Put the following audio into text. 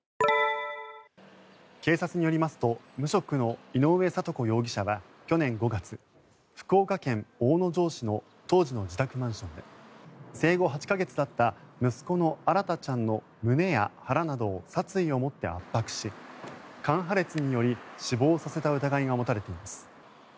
警察によりますと無職の井上徳子容疑者は去年５月、福岡県大野城市の当時の自宅マンションで生後８か月だった息子の新大ちゃんの胸や腹などを殺意を持って圧迫し肝破裂により死亡させた疑いが持たれています。